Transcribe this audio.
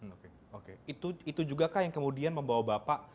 oke oke itu juga kah yang kemudian membawa bapak